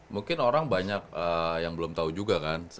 mungkin orang banyak yang belum tahu juga kan